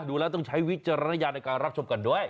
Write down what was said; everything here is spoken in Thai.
ดูแล้วต้องใช้วิจารณญาณในการรับชมกันด้วย